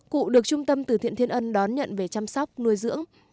cụ được trung tâm từ thiện thiên ân đón nhận về chăm sóc nuôi dưỡng